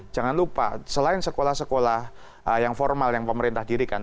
jangan lupa selain sekolah sekolah yang formal yang pemerintah dirikan